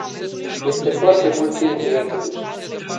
Este foarte mult timp de atunci.